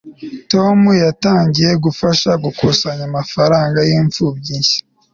tom yitangiye gufasha gukusanya amafaranga y'imfubyi nshya